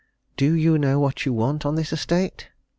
Do you know what you want on this estate?"